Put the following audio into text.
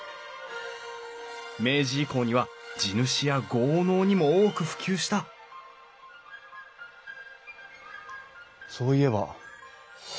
明治以降には地主や豪農にも多く普及したそういえば。